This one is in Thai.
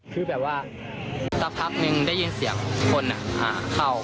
คือแบบว่าสักพักนึงได้ยินเสียงคนเข้า